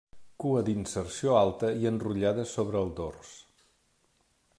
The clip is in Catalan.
Cua d'inserció alta i enrotllada sobre el dors.